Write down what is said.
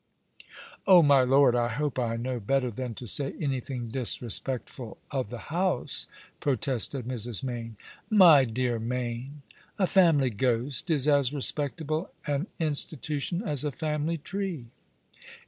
" Oh, my lord, I hope I know better than to say anything disrespectful of the house," protested Mrs. Mayne. " My dear Mayne, a family ghost is as respectable an in stitution as a family tree."